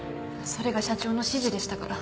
それが社長の指示でしたから。